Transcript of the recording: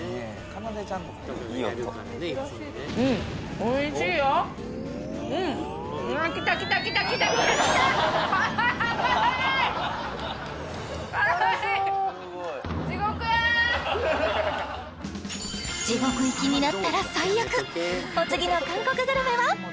辛そうすごい地獄行きになったら最悪お次の韓国グルメは？